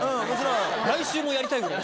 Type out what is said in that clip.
来週もやりたいぐらい。